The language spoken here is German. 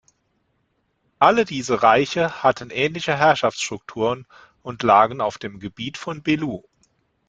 Alle diese Reiche hatten ähnliche Herrschaftsstrukturen und lagen auf dem Gebiet von Belu.